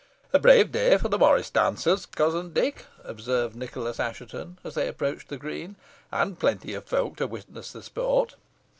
"A brave day for the morris dancers, cousin Dick," observed Nicholas Assheton, as they approached the green, "and plenty of folk to witness the sport.